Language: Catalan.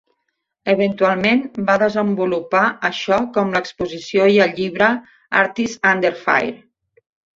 Eventualment va desenvolupar això com l'exposició i el llibre "Artists Under Fire".